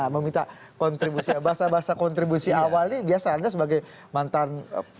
meminta kontribusi bahasa bahasa kontribusi awal ini biasa anda sebagai mantan